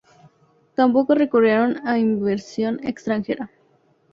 Tampoco recurrieron a inversión extranjera.